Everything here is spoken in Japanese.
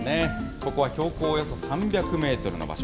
ここは標高およそ３００メートルの場所。